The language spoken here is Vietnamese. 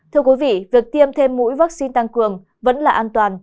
thưa quý vị việc tiêm thêm mũi vaccine tăng cường vẫn là an toàn